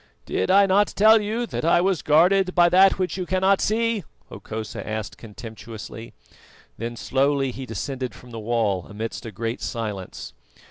"Did I not tell you that I was guarded by That which you cannot see?" Hokosa asked contemptuously. Then slowly he descended from the wall amidst a great silence.